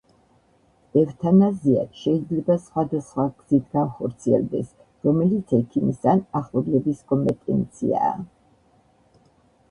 ევთანაზია შეიძლება სხვადასხვა გზით განხორციელდეს, რომელიც ექიმის ან ახლობლების კომპეტენციაა.